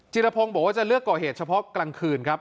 รพงศ์บอกว่าจะเลือกก่อเหตุเฉพาะกลางคืนครับ